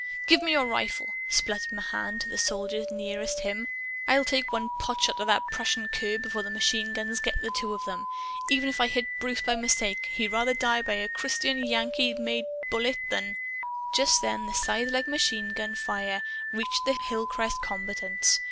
"Give me your rifle!" sputtered Mahan to the soldier nearest him. "I'll take one potshot at that Prussian cur, before the machine guns get the two of 'em. Even if I hit Bruce by mistake, he'd rather die by a Christian Yankee made bullet than " Just then the scythelike machine gun fire reached the hillcrest combatants.